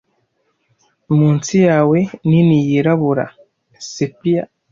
munsi yawe nini yirabura sepia